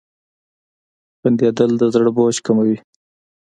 • خندېدل د زړه بوج کموي.